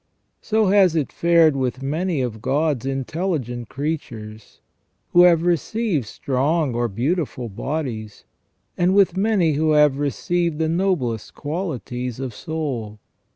So has it fared with many of God's intelligent creatures, who have received strong or beautiful bodies, and with many who have received the noblest qualities of soul.